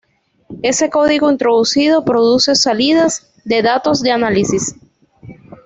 Ese código introducido produce salidas de datos de análisis.